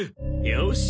よし！